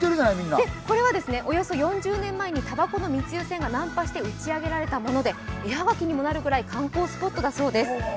これはおよそ４０年前にたばこの密輸船が難破して打ちあげられたもので絵はがきになるぐらい観光スポットだそうです。